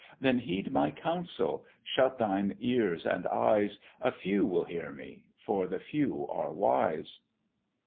Then heed my counsel, shut thine ears and eyes; A few will hear me for the few are wise."